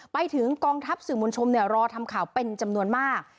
ไปถึงกองทัพสื่อมวลชนรอทำข่าวเป็นจำนวนมาก